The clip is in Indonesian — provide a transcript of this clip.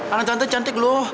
anak tante cantik loh